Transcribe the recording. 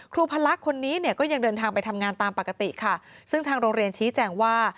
พลลักษณ์คนนี้เนี่ยก็ยังเดินทางไปทำงานตามปกติค่ะซึ่งทางโรงเรียนชี้แจงว่า